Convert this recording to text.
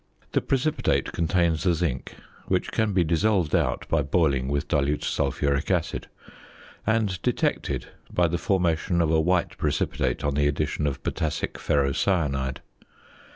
The precipitate contains the zinc, which can be dissolved out by boiling with dilute sulphuric acid, and detected by the formation of a white precipitate on the addition of potassic ferrocyanide.